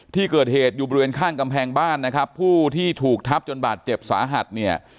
ที่เกิดเหตุอยู่บริเวณข้างกำแพงบ้านนะครับผู้ที่ถูกทับจนบาดเจ็บสาหัสเนี่ย